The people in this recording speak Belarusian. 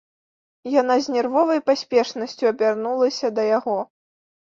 Яна з нервовай паспешнасцю абярнулася да яго.